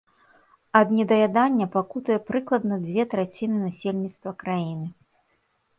Ад недаядання пакутуе прыкладна дзве траціны насельніцтва краіны.